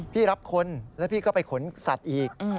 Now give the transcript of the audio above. พี่รับคนแล้วพี่ก็ไปขนสัตว์อีก